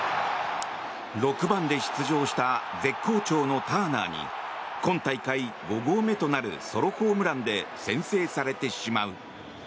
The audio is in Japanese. ６番で出場した絶好調のターナーに今大会５号目となるソロホームランで先制されてしまう。